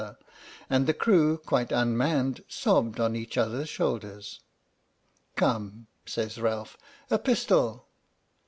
"PINAFORE" and the crew, quite unmanned, sobbed on each other's shoulders. " Come," says Ralph, " a pistol!"